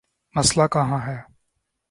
مسئلہ کہاں ہے؟